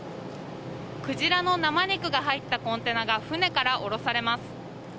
クジラの生肉が入ったコンテナが船から降ろされます。